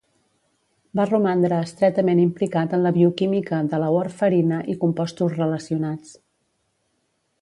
Va romandre estretament implicat en la bioquímica de la warfarina i compostos relacionats.